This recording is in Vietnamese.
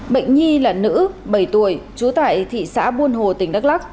bệnh nhi là nữ bảy tuổi trú tại thị xã buôn hồ tỉnh đắk lắc